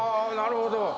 なるほど。